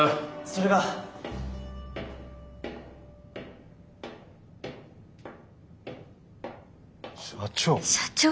それが。社長！？